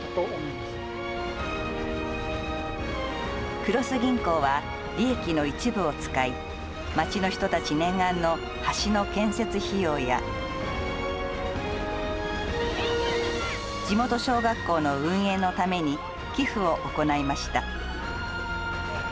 黒須銀行は利益の一部を使い町の人たち念願の橋の建設費用や地元小学校の運営のために寄付を行いました。